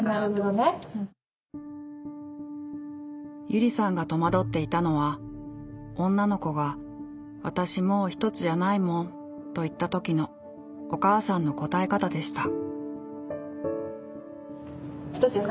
ゆりさんが戸惑っていたのは女の子が「あたしもうひとつじゃないもん」と言った時のお母さんの答え方でした。